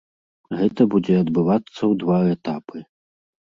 Гэта будзе адбывацца ў два этапы.